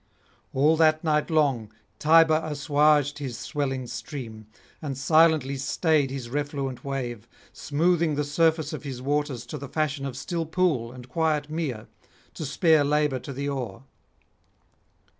All that night long Tiber assuaged his swelling stream, and silently stayed his refluent wave, smoothing the surface of his waters to the fashion of still pool and quiet mere, to spare [90 121]labour to the oar.